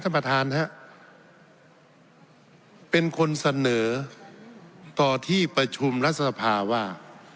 ประธานฮะเป็นคนเสนอต่อที่ประชุมรัฐสภาว่า